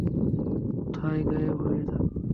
কোথায় গায়েব হয়ে থাকো?